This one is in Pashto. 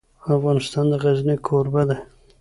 افغانستان د غزني کوربه دی.